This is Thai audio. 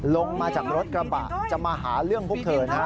ลงมาจากรถกระบะจะมาหาเรื่องพวกเธอนะฮะ